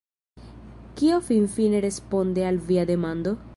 Kio finfine responde al via demando?